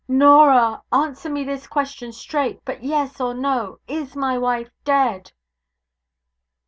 'Norah! answer me this question straight, by yes or no Is my wife dead?'